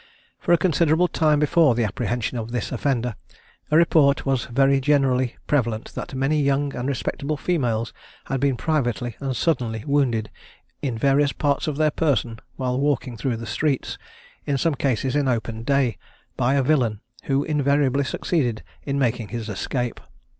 For a considerable time before the apprehension of this offender, a report was very generally prevalent that many young and respectable females had been privately and suddenly wounded in various parts of their person while walking through the streets, in some cases in open day, by a villain, who invariably succeeded in making his escape.